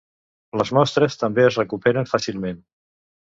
Les mostres també es recuperen fàcilment.